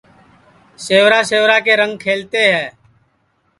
سیورا سیورا کے رنگ کھلتے ہے